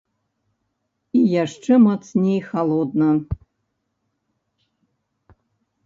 І яшчэ мацней халодна.